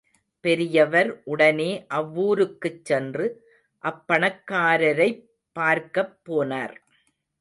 பெரியவர் உடனே அவ்வூருக்குச் சென்று அப்பணக்காரரைப் பார்க்கப் போனார்.